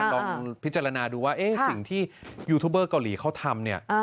ลองพิจารณาดูว่าเอ๊ะสิ่งที่ยูทูเปอร์เกาหลีเขาทำ